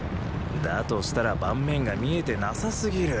だとしたら盤面が見えてなさすぎる。